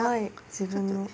自分のわ。